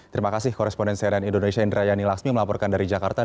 terima kasih koresponden cnn indonesia indra yani laksmi melaporkan dari jakarta